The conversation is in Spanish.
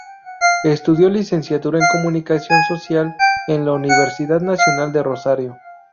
Estudió Licenciatura en Comunicación Social en la Universidad Nacional de Rosario.